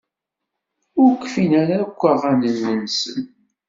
Ur kfin ara akk aɣanen-nsen.